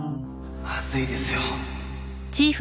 まずいですよ。